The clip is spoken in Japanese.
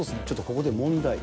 ちょっとここで問題。